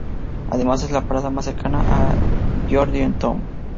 Además es la parada más cercana a Georgetown.